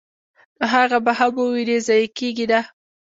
نو هغه به هم وويني، ضائع کيږي نه!!.